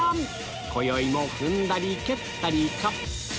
今宵も踏んだり蹴ったりか？